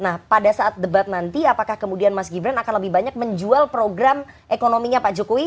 nah pada saat debat nanti apakah kemudian mas gibran akan lebih banyak menjual program ekonominya pak jokowi